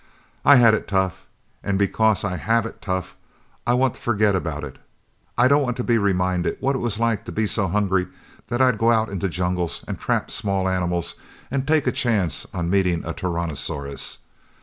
I've had it tough. And because I have had it tough, I want to forget about it. I don't want to be reminded what it's like to be so hungry that I'd go out into jungles and trap small animals and take a chance on meeting a tyrannosaurus.